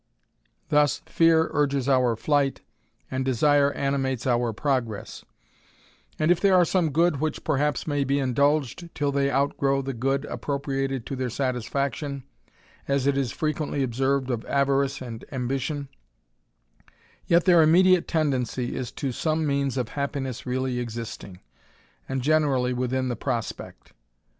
Thus fear urges our flight, and desire animates our progress j and if there are some which perhaps may be indulged till they outgrow the good appropriated to their satisfaction, as it is frequently observed of avarice and ambition, yet their immediate tendency is to some means of happiness really existing, and generally within the prospect.